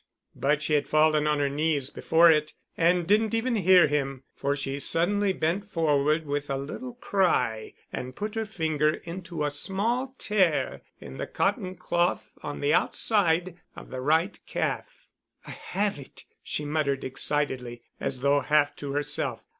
But she had fallen on her knees before it and didn't even hear him, for she suddenly bent forward with a little cry and put her finger into a small tear in the cotton cloth on the outside of the right calf. "I have it," she muttered excitedly, as though half to herself.